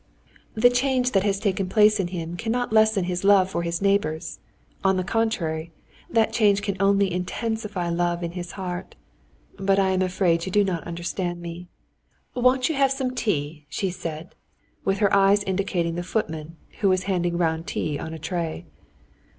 "The change that has taken place in him cannot lessen his love for his neighbors; on the contrary, that change can only intensify love in his heart. But I am afraid you do not understand me. Won't you have some tea?" she said, with her eyes indicating the footman, who was handing round tea on a tray.